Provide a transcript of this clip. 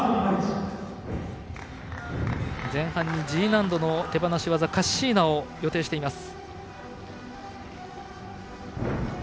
前半にＧ難度の手放し技カッシーナを予定しています。